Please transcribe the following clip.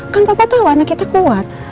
kan papa tahu anak kita kuat